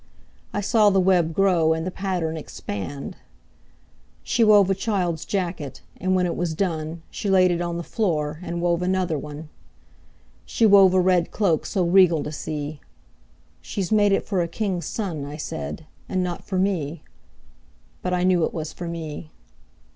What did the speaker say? I saw the web grow, And the pattern expand. She wove a child's jacket, And when it was done She laid it on the floor And wove another one. She wove a red cloak So regal to see, "She's made it for a king's son," I said, "and not for me." But I knew it was for me.